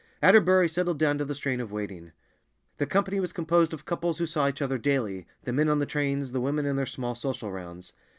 Atterbury settled down to the strain of waiting. The company was composed of couples who saw each other daily, the men on the trains, the women in their small social rounds.